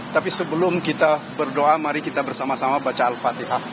tapi sebelum kita berdoa mari kita bersama sama baca al fatihah